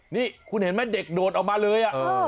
นี่คุณเห็นไหมเด็กโดดออกมาเลย